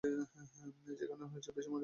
এখানেই সবচেয়ে বেশি মজা আসে।